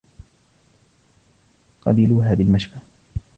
قبلوها بالمشفى